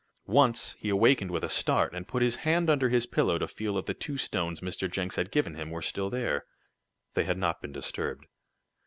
Once he awakened with a start, and put his hand under his pillow to feel if the two stones Mr. Jenks had given him, were still there. They had not been disturbed.